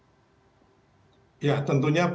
pertama saya ingin mengucapkan terima kasih kepada pak sylvester